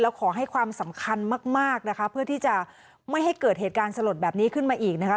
ขอให้ความสำคัญมากนะคะเพื่อที่จะไม่ให้เกิดเหตุการณ์สลดแบบนี้ขึ้นมาอีกนะคะ